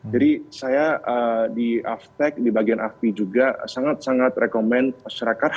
jadi saya di aftech di bagian afpi juga sangat sangat rekomen masyarakat